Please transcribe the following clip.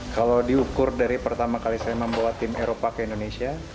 kalau diukur dari pertama kali saya membawa tim eropa ke indonesia